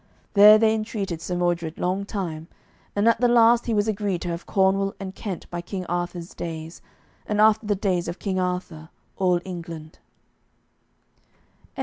There they entreated Sir Mordred long time, and at the last he was agreed to have Cornwall and Kent by King Arthur's days, and after the days of King Arthur all England.